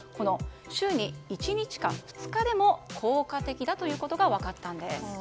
週に１日か、２日でも効果的だということが分かったんです。